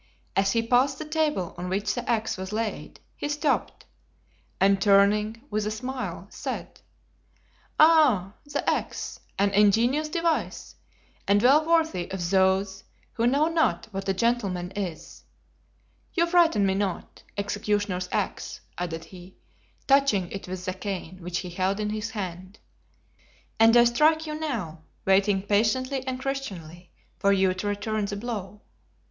As he passed the table on which the axe was laid, he stopped, and turning with a smile, said: "Ah! the axe, an ingenious device, and well worthy of those who know not what a gentleman is; you frighten me not, executioner's axe," added he, touching it with the cane which he held in his hand, "and I strike you now, waiting patiently and Christianly for you to return the blow."